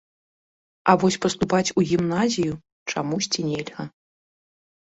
А вось паступаць у гімназію чамусьці нельга.